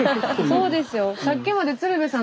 そうですよ。